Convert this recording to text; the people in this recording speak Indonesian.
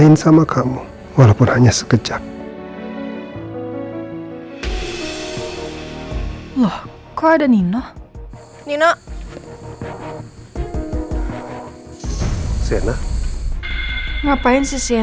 nggak boleh sendiri ya